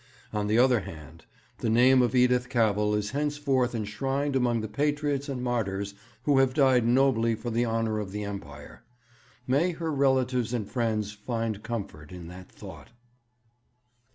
On the other hand, the name of Edith Cavell is henceforth enshrined among the patriots and martyrs who have died nobly for the honour of the Empire. May her relatives and friends find comfort in that thought!'